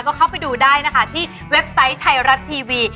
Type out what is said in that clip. ก็เข้าไปดูได้นะคะที่เว็บไซต์ไทยรัฐทีวี